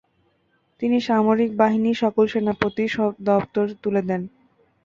তিনি সামরিক বাহিনীর সকল সেনাপতির দপ্তর তুলে দেন।